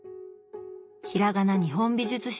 「ひらがな日本美術史」